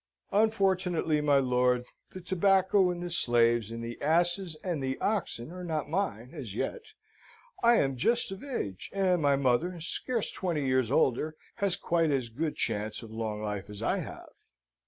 "Unfortunately, my lord, the tobacco, and the slaves, and the asses, and the oxen, are not mine, as yet. I am just of age, and my mother, scarce twenty years older, has quite as good chance of long life as I have."